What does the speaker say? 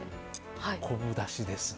昆布だしですね。